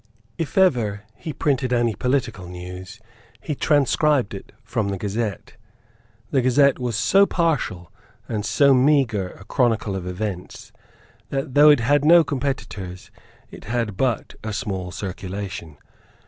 If ever he printed any political news, he transcribed it from the Gazette. The Gazette was so partial and so meagre a chronicle of events that, though it had no competitors, it had but a small circulation.